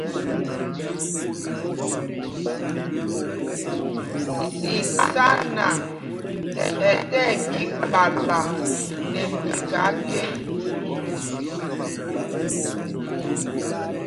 Sísána ɛ tí ɛɓik ɓala nɛ mbika le.